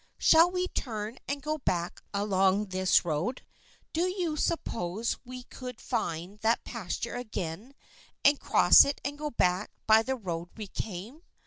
Shall we turn and go back along this road ? Do you sup pose we could find that pasture again and cross it and go back by the road we came